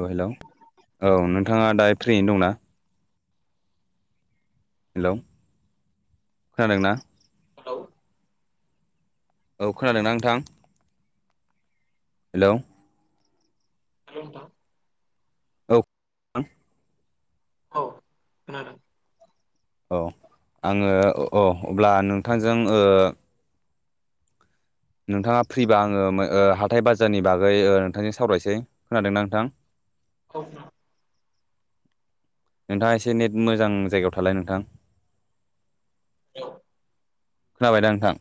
औ हेल' औ नोंथाङा दा फ्रियैनो दंना हेल' खोनादोंना हेलौ [unintelligible] औ खोनादों ना नोंथां? हेल' हेल' नोंथां औ नोंथां औ खोनादों औ आङो औ अब्ला नोंथांजों ओ नोंथाङा फ्रिबा आङो ओ हाथाय बाजारनि बागै नोंथांजों सावरायनसै खोनादों ना नोंथां औ खोनादों नोंथाङा एसे नेट मोजां जायगायाव थालाय नोंथां औ [unintelligible] खोनाबाय दा नोंथां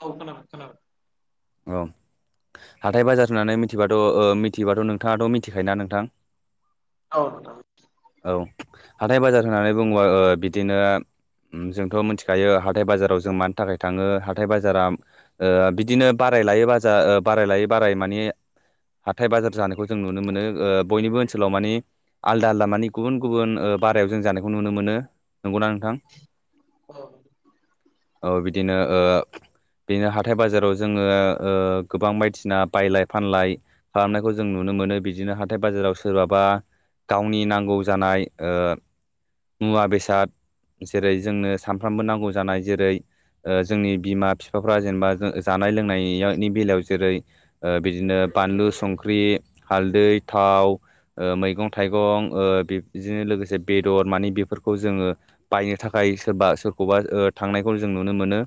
औ खोनाबाय खोनाबाय औ हाथाय बाजार होननानै मिथिबाथ' मिथिबाथ' नोंथाङाथ' मिथिखायो ना नोंथां? औ नोंथां मिथिगौ औ हाथाय बाजार होननानै बुङोबा बिदिनो ओ जोंथ' मिथिखायो हाथथाय बाजाराव जों मानि थाखाय थाङो हाथाय बाजारा ओ बिदिनो बाराय लायो बाजार बाराय लायै बाराय‌ माने हाथाय बाजार जानायखौ जों नुनो मोनो बयनिबो ओनसोलाव मानि आलदा आलदा मानि गुबुन गुबुन ओ‌‌ बारायाव जों जानायखौ नुनो मोनो नंगौना नोंथां औ ओ बिदिनो ओ बिदिनो हाथाय बाजाराव जोङो ओ गोबां बायदिना बायलाय फानलाय खालामनायखौ जों नुनो मोनो बिदिनो हाथाय बाजाराव सोरबाबा गावनि नांगौ जानाय ओ मुवा बेसाद जेरै जोंनो सानफ्रामबो नांगौ जानाय जेरै ओ जोंनि बिमा बिफाफ्रा जेनेबा जानाय लोंनायनि बेलायाव जेरै ओ बिदिनो बानलु संख्रि हालदै थाव ओ मैगं थाइगं ओ बिदिनो लोगोसे बेदर मानि बेफोरखौ जोङो बायनो थाखाय सोरबा सोरखौबा ओ थांनायखौ जों नुनो मोनो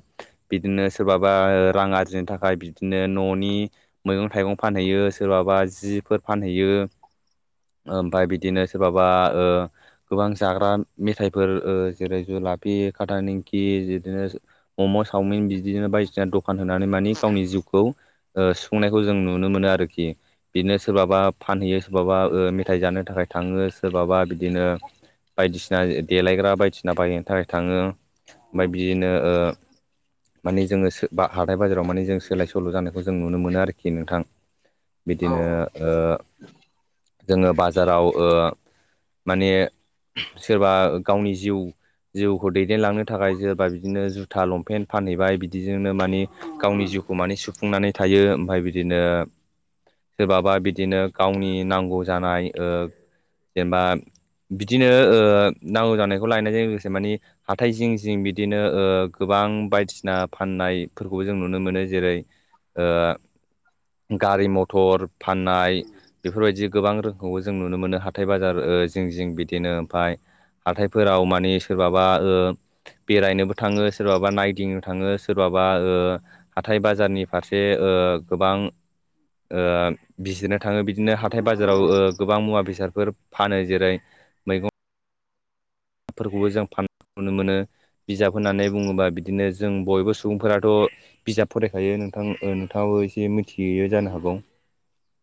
बिदिनो सोरबाबा रां आरजिनो थाखाय बिदिनो न'नि मैगं थाइगं फानहैयो सोरबाबा जिफोर फानहैयो ओमफ्राय बिदिनो सोरबाबा ओ गोबां जाग्रा मेथाइफोर ओ जेरै जुलाफि खाथा निंखि बिदिनो मम' सावमिन बिदिनो बायदिसिना दखान होनानै मानि गावनि जिउखौ ओ सुफुंनायखौ जों नुनो मोनो आरोखि बिदिनो सोरबाबा फानहैयो सोरबाबा ओ मेथाइ जानो थाखाय थाङो सोरबाबा बिदिनो बायदिसिना देलायग्रा बायदिसिना बायनो थाखाय थाङो ओमफ्राय बिदिनो माने जोङो सो बा हाथाय बाजाराव माने जों सोलाय सोल' जानायखौ जों नुनो मोनो आरोखि नोंथां औ बिदिनो ओ जोङो बाजाराव ओ माने सोरबा गावनि जिउ जिउखौ दैदेनलांनो थाखाय सोरबा बिदिनो जुथा लंपेन्ट फानहैबाय बिदि बिजोंनो मानि गावनि जिउखौ मानि सुफुंनानै थायो ओमफ्राय बिदिनो सोरबाबा बिदिनो गावनि नांगौ जानाय ओ जेनेबा बिदिनो ओ नांगौ जानायखौ लायनायजों लोगोसे मानि हाथाय जिं जिं बिदिनो गोबां बायदिसिना फाननायफोरखौबो जों नुनो मोनो जेरै गारि मथर फाननाय बेफोरबायदि गोबां रोंखौबो जों नुनो मोनो हाथाय बाजार जिं जिं बिदिनो ओमफफ्राय हाथायफोराव मानिे सोरबाबा बेरायनोबो थाङो सोरबाबा नायदिंनो थाङो सोरबाबा हाथाय बाजारनि फारसे गोबां बिजसिरनो थाङो बिदिनो हाथाय बाजाराव गोबां मुवा बेसादफोर फानो जेरै मैगं फोरखौबो जों फाननाय नुनो मोनो बिजाब होननानै बुङोबा बिदिनो जों बयबो सुबुंफोराथ' बिजाब फरायखायो नोंथां नोंथाङाबो एसे मिथियो जानो हागौ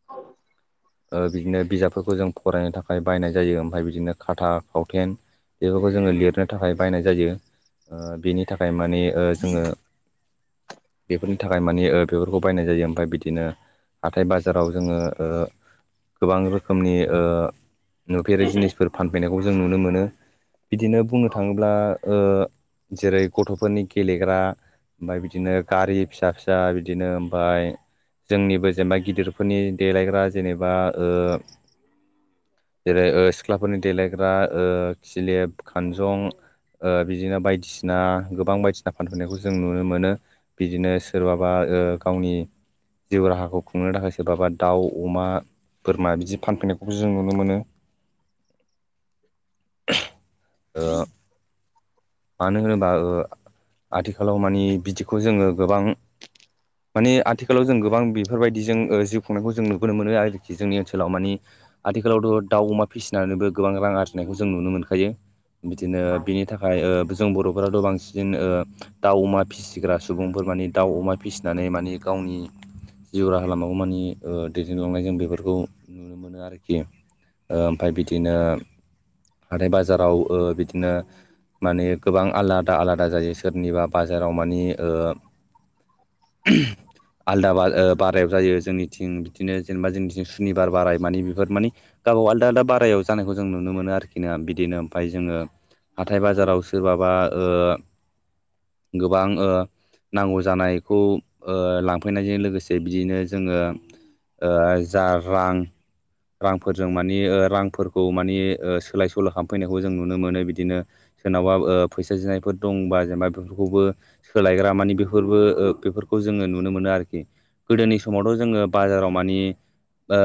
औ बिदिनो बिजाबफोरखौ जों फरायनो थाखाय बायनाय जायो ओमफ्राय बिदिनो खाथा खावथेन बेफोरखौ जोङो लिरनो थाखाय बायनाय जायो बेनि थाखाय माने जोङो बेफोरनि थाखाय मानिे बेफोरखौ बायनाय जायो ओमफफ्राय बिदिनो हाथथाय बाजाराव जोङो गोबां रोखोमनि नुफेरै जिनिसफोर फानफैनायखौ जों नुनो मोनो बिदिनो बुंनो औ थाङोब्ला जेरै गथ'फोरनि गेलेग्रा ओमफ्राय बिदिनो गारि फिसा फिसा बिदिनो ओमफफ्राय जोंनिबो जेनेबा गिदिरफोरनि देलायग्रा जेनेबा जेरै सिख्लाफोरनि देलायग्रा खलेब खानजं बिदिनो बायदिसिना गोबां बायदिसिना फानफैनायखौ जों नुनो मोनो बिदिनो सोरबाबा गावनि जिउ राहाखौ खुंनो थाखाय सोरबाबा दाउ अमा बोरमा बिदि फानफैनायखौबो जों नुनो मोनो ओ मानो होनोबा आथिखालाव माने बिदिखौ जोङो गोबां माने आथिखालाव जों गोबां बेफोरबायदि जिउ खुंनायखौ जों नुबोनो मोनो आरोखि जोंनि ओनसोलाव माने आथिखालावथ' दाउ अमा फिसिनानैबो गोबां रां आरजिनायखौ जों नुनो मोनखायो बिदिनो औ बिनि थाखाय जों बर'फोराथ' बांसिन दाउ अमा फिसिग्रा सुबुंफोर माने दाउ अमा फिसिनानै माने गावनि जिउ राहा लामाखौ मानि दैदेनलांनाय जों बेफोरखौ नुनो मोनो आरोखि ओमफाय बिदिनो हाथाय बाजाराव ओ बिदिनो माने गोबां आलादा आलादा जायो सोरनिबा बाजाराव मानि ओ आलदा बा ओ बारायाव जायो जोंनिथिं बिदिनो जेनेबा जोंनिथिं सुनिबार बाराय मानि बेफोर मानि गावबाव आलदा आलदा बारायाव जानायखौ जों नुनो मोनो आरोखि ना बिदिनो ओमफाय जोङो हाथाय बाजारावसो सोरबाबा ओ गोबां ओ नांगौ जानायखौ ओ लांफैनायजों लोगोसे बिदिनो जोङो ओ जा रां रांफोरजों मानि ओ रांफोरखौ मानि ओ सोलाय सोल' खालामफैनायखौ जों नुनो मोनो बिदिनो। सोरनावबा ओ फैसा जानायफोर दंबा जेनेबा बेफोरखौबो सोलायग्रा मानि बेफोरबो ओ बेफोरखौ जोङो नुनो मोनो आरोखि। गोदोनि समावथ' जोङो बाजाराव मानि ओ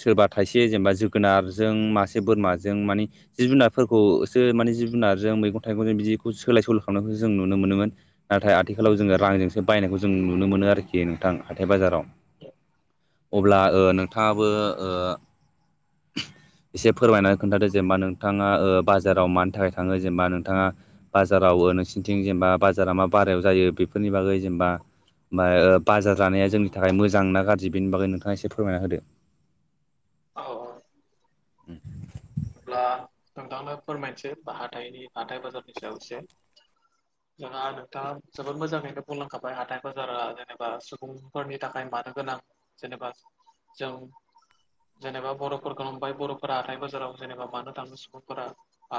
सोरबा थाइसे जेनेबा जोगोनारजों मासे बोरमाजों मानि जिब जुनारफोरखौसो माने जिब जुनारजों मैगं थाइगंजों बिदिखौ सोलाय सोल' खालामनायखौ जों नुनो मोनोमोन। नाथाय आथिखालाव जोङो रांजोंसो बायनायखौ जों नुनो मोनो आरोखि नोंथां हाथाय बाजाराव। अब्ला ओ नोंथाङाबो ओ एसे फोरमायनानै खोन्थादो जेनेबा नोंथाङा ओ बाजाराव मानि थाखाय थाङो जेनेबा नोंथ थाङा बाजाराव ओ नोंसिनिथिं जेनेबा बाजारा मा बारायाव जायो बेफोरनि बागै जेनेबा? मा ओ बाजार जानाया जोंनि थाखाय मोजां ना गाज्रि बेनि बागै नोंथाङा एसे फोरमायना होदो। औ उम अब्ला नोंथांनो फोरमायनोसै बा हाथथायनि हाथाय बाजारनि सायाव एसे। [inaudible] जोंहा नोंथाङा जोबोद मोजाङैनो बुंलांखाबाय हाथाय बाजारा जेनेबा सुबुंफोरनि थाखाय मानो गोनां। जेनेबा जों जेनेबा बर'फोरखौ नंबाय बर'फोरा हाथाय बाजाराव जेनेबा मानो थाङो सुबुंफोरा?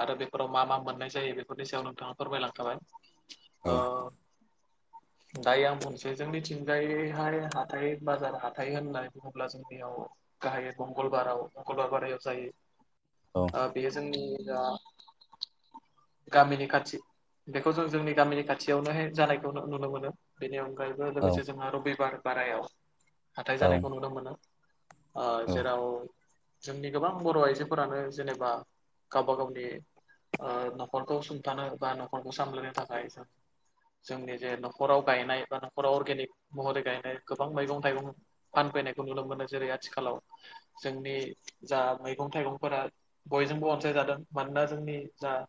आरो बेफोराव मा मा मोननाय जायो बेफोरनि सायाव नोंथाङा फोरमायलांखाबाय। औ ओ दायो आं बुंनोसै जोंनिथिंजायहाय हाथाइ बाजार हाथाइ होननानै बुङोब्ला जों बेयाव गाहायै मंगलबाराव मंगलबार बारायाव जायो। औ ओ बेयो जोंनि ओ गामिनि खाथि बेखौ जों जोंनि गामिनि खाथियावनोहाय जानायखौ नुनो मोनो। बेनि अनगायैबो लोगोसे जोंहा रबिबार बारायाव। हाथाय औ जानायखौ नुनो मोनो ओ औ जेराव जोंनि गोबां बर' आइजो फोरानो जेनेबा गावबा गावनि ओ न'खरखौ सुंथानो बा न'खरखौ सामलायनो थाखाय जों जोंनि जे न'खराव गायनाय बा न'खराव अर्गेनिक महरै गायनाय गोबां मैगं थाइगं फानफैनायखौ नुनो मोनो जेरै आथिखालाव जोंनि जा मैगं थाइगं फोरा बयजोंबो अनसायजादों मानोना जोंनि जा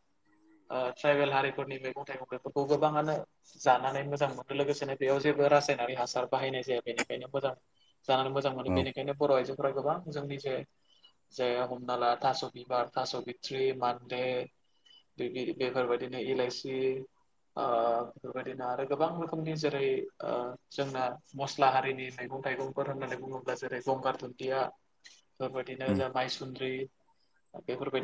ओ ट्राइबेल हारिफोरनि मैगं थाइगं बेफोरखौ गोबाङानो जानानै मोजां मोनो लोगोसेनो बेयाव जेबो रासायनारि हासार बाहायनाय जाया बेनिखायनो मोजां जानानै मोजां मोनो औ बेनिखायनो बर' आइजोफोरा गोबां जोंनि जे जे हमनाला थास' बिबार थास' बिथ्रि मान्दे दैहि बेफोरबायदिनो इलाइसि ओ बेफोरबायदिनो आरो गोबां रोखोमनि जेरै ओ जोंना मस्ला हारिनि मैगं थाइगंफोर होननानै बुङोब्ला जेरै गंगार दुुनदिया। फोरबायदिनो उम जाबाय सुन्द्रि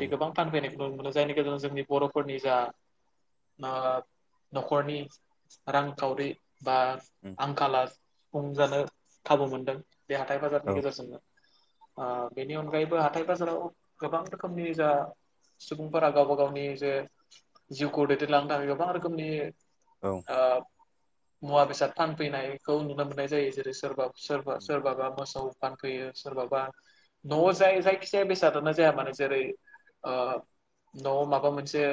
उम गोबां फानफैनायखौ नुनो मोनो जायनि गेजेरजों जोंनि बर'फोरनि जा ओ न'खरनि रांखावरि बा उम आंखाला सुफुंजानो खाबु मोनदों। बे हाथाय औ बाजारनि गेजेरजोंनो। ओ बेनि अनगायैबो हाथाय बाजाराव गोबां रोखोमनि जा सुबुंफोरा गावबा गावनि जे जिउखौ दैदेनलांनो थाखाय गोबां रोखोमनि औ। ओ मुवा बेसाद फानफैनायखौ नुनो मोननाय जायो। जेरै सोरबा सोरबा उम सोरबाबा मोसौ फानफैयो सोरबाबा न'आव जाय जायखि जाया बेसादानो जाया मानो जेरै ओ न'आव माबा मोनसे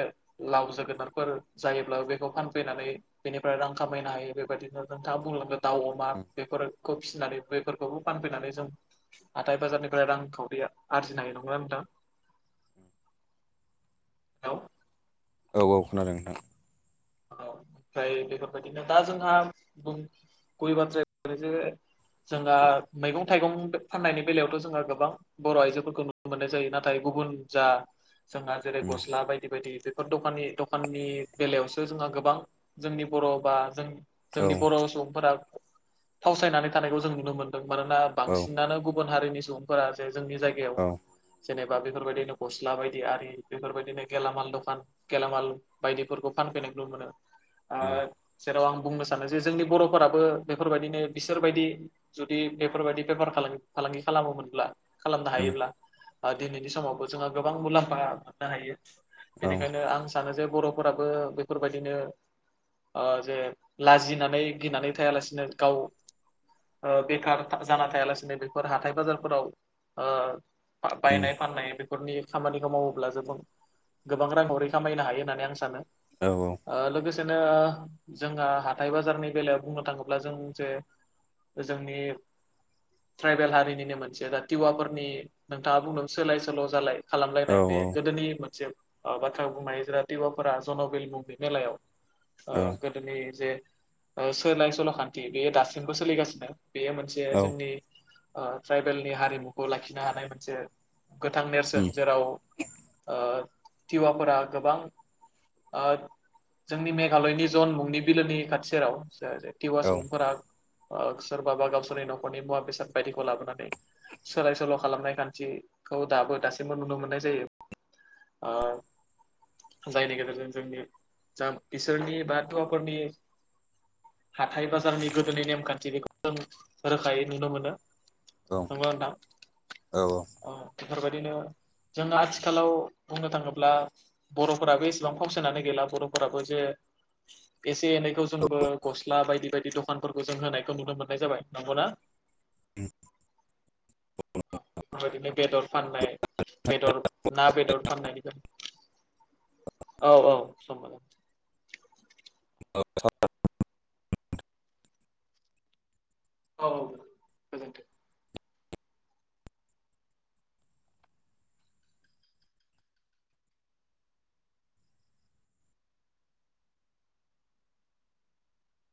लाव जोगोनारफोर जायोब्ला बेखौ फानफैनानै बेनिफ्राय रां खामायनो हायो बेबादिनो नोंथाङा बुंनांगो दाउ अमा बेफोर खौ फिसिनानै बेफोरखौबो फानफैनानै जों हाथाय बाजारनिफ्राय रां खावरिया आरजिनो हायो। नंगौना नोंथां? हेलौ औ औ खोनादों नोंथां। औ ओमफ्राय बेफोरबायदिनो दा जोंहा बुं गुबै बाथ्राया [unintelligible] जोंहा मैगं थाइगं फाननायनि बेलायावथ' जोंहा गोबां बर' आइजोफोरखौ नुनो मोननाय जायो नाथाय गुबुन जा जोंहा जेरै उम गस्ला बायदि बायदि बेफोर दखान दखाननि बेलायावसो जोंहा गोबां जोंनि बर' बा जों औ जोंनि बर' सुबुंफोरा फावसायनानै थानायखौ जों नुनो मोनदों मानोना औ बांसिनानो गुबुन हारिनि सुबुंफोरा जे जोंनि जाय गायाव औ जेनेबा बेफोरबायदिनो गस्ला बायदि आरि बेफोरबायदिनो गेलामाल दखान गेलामाल बायदिफोरखौ फानफैनायखौ मोनो। उम ओ जेराव आं बुंनो सानो जे जोंनि बर'फोराबो बेफोरबायदिनो बिसोरबायदि जुदि बेफोरबायदि बेफार फालांगि खालामोमोनब्ला खालामनो उम हायोब्ला ओ दिनैनि समावबो जोंहा गोबां मुलाम्फा मोननो हायो। औ बेनिखायनो आं सानो जे बर'फोराबो बेफोरबायदिनो ओ जे लाजिनानै गिनानै थायालासिनो गाव ओ बेखार जाना थायालासिनो बेफोर हाथाय बाजारफोराव ओ उम बायनाय फाननाय बे न'खरनि खामानिखौ मावोब्ला जबो गोबां रांहरै खामायनो हायो होननानै आं सानो। औ औ। ओ लोगोसेनो जोंहा हाथाय बाजारनि बेलायाव बुंनो थाङोब्ला जों जे जोंनि ट्राइबेल हारिनिनो मोनसे दा टिवाफोरनि नोंथाङा बुंदों सोलाय सोल' जालाय औ खालामलायनाय उम बे गोदोनि मोनसे ओ बाथ्रा बुंनाय जेर टिवाफोरा जनबिल मुं बे मेलायाव औ ओ [unintelligible] जे ओे सोलाय सल' खान्थि बेयो दासिमबो सोलिगासिनो। बेयो मोनसे जे जोंनि ओ ट्राइबेलनि हारिमुखौ लाखिनो हानाय मोनसे गोथां नेरसोन जेराव ओ टिवाफोरा गोबां ओ जोंनि मेघालयनि जन मुंनि बिलोनि खाथि सेराव टिवा सुबुंफोरा ओ सोरबाबा गावसोरनि न'खरनि मुवा बेसाद बायदिखौ लाबोनानै सोलाय सोल' खालामनाय खान्थिखौ दाबो दासिमबो नुनो मोननाय जायो। ओ जायनि गेजेरजों जोंनि जाम बिसोरनि बाथ'आफोरनि हाथाय बाजारनि गोदोनि नेमखान्थि बेखौ जों रोखायै नुनो मोनो। औ नंगौना नोंथां? औ बेफोरबायदिनो जोंङो आथिखालाव बुंनो थाङोब्ला बर'फोराबो एसेबां फावसायनानै गैला। बर' फोराबो जे एसे एनैखौ जोंबो गस्ला बायदि बायदि द खानफोरखौ जों होनायखौ नुनो मोननाय जाबाय। नंगौना? [unintelligible] बेफोरबायदिनो बेदर फाननाय बेदर ना बेदर फाननायनिफ्राय औ औ [unintelligible] [unintelligible] औ [unintelligible] गोजोन्थों